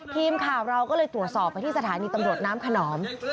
ทีมข่าวเราก็เลยตรวจสอบไปที่สถานีตำรวจน้ำขนอม